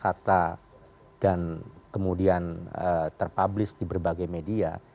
kata dan kemudian terpublis di berbagai media